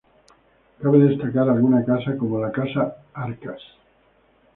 Cabe destacar alguna casa como la "Casa Arcas".